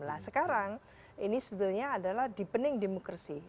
nah sekarang ini sebetulnya adalah deepening demokrasi